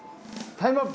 タイムアップ？